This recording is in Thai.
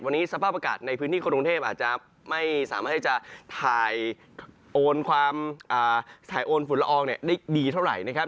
วันนี้สภาพอากาศในพื้นที่กรุงเทพอาจจะไม่สามารถที่จะถ่ายโอนความถ่ายโอนฝุ่นละอองได้ดีเท่าไหร่นะครับ